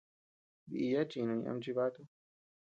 Diya chinuñ ama chibatu.